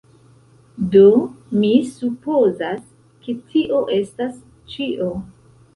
Do, mi supozas ke tio estas ĉio.